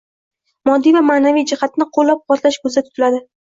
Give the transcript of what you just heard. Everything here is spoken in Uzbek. moddiy va ma’naviy jihatdan qo‘llab-quvvatlash ko'zda tutiladi.